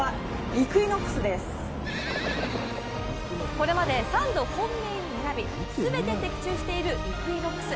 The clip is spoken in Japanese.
これまで３度本命に選び全て的中しているイクイノックス。